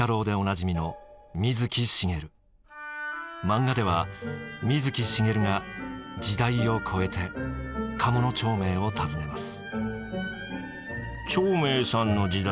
漫画では水木しげるが時代を超えて鴨長明を訪ねます。